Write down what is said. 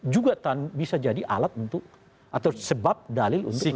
juga bisa jadi alat untuk atau sebab dalil untuk